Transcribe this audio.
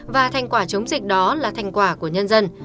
và thành quả chống dịch đó là thành quả của nhân dân